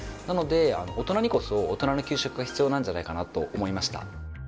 なので大人にこそ大人の給食が必要なんじゃないかなと思いました。